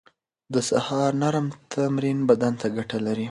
د سهار نرم تمرين بدن ته ګټه لري.